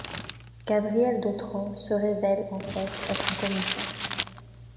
Gabriel Dautrand se révèle en fait être un commissaire.